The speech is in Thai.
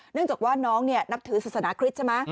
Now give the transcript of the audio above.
เนื่องจากว่าน้องเนี่ยนับถือศาสนาคริสต์ใช่มะ